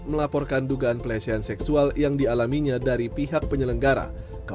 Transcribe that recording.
melaporkan dugaan pelecehan seksual yang dialaminya dari pihak penyelenggara